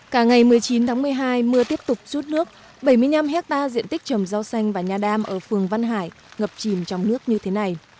cả ngày một mươi chín tháng một mươi hai mưa tiếp tục rút nước bảy mươi năm hectare diện tích trồng rau xanh và nhà đan ở phường văn hải ngập chìm trong nước như thế này